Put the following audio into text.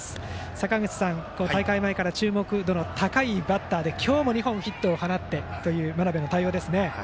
坂口さん、大会前から注目度の高いバッターで今日も２本ヒットを放っている真鍋の対応ですよね。